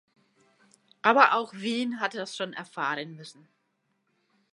Aber auch Wien hat das schon erfahren müssen.